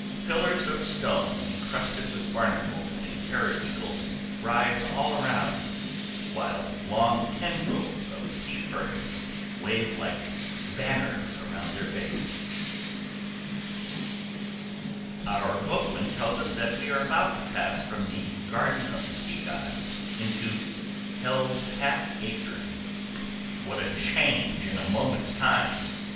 Pillars of stone incrusted with barnacles and periwinkles rise all around, while long tendrils of sea ferns wave like banners around their base. [Illustration: THE GLASS BOTTOM BOAT] Our boatman tells us that we are about to pass from "The Garden of the Sea Gods" into "Hell's Half Acre." What a change in a moment's time!